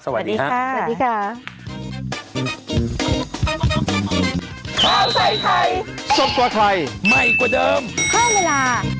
สวัสดีค่ะสวัสดีค่ะ